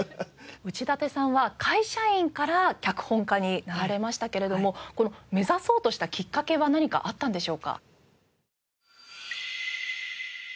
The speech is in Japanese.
内館さんは会社員から脚本家になられましたけれどもこの目指そうとしたキッカケは何かあったんでしょうか？